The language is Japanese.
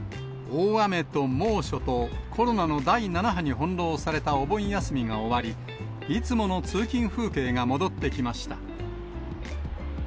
大雨と猛暑とコロナの第７波に翻弄されたお盆休みが終わり、いつもの通勤風景が戻ってきました。